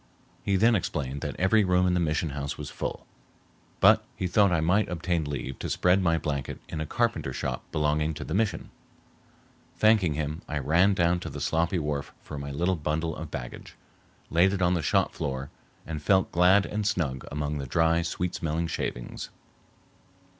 He then explained that every room in the mission house was full, but he thought I might obtain leave to spread my blanket in a carpenter shop belonging to the mission. Thanking him, I ran down to the sloppy wharf for my little bundle of baggage, laid it on the shop floor, and felt glad and snug among the dry, sweet smelling shavings.